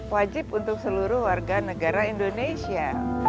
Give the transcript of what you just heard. wajib untuk seluruh warga negara indonesia